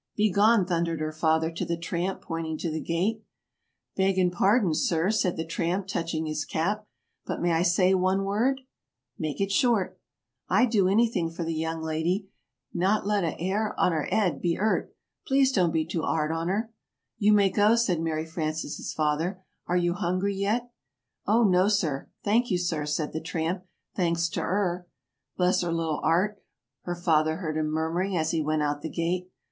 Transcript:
"Be gone!" thundered her father to the tramp, pointing to the gate. "Begging pardon, sir," said the tramp, touching his cap, "but may I say one word?" "Make it short." [Illustration: "May I say one word?"] "I'd do anything for the young lady not let a 'air o' 'er 'ead be 'urt. Please don't be too 'ard on 'er." "You may go," said Mary Frances' father. "Are you hungry yet?" "Oh, no, sir, thank you, sir," said the tramp. "Thanks to 'er." "Bless 'er little 'eart," her father heard him murmuring, as he went out the gate.